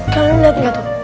kalian lihat gak tuh